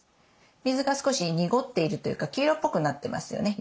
水が少し濁っているというか黄色っぽくなってますよね。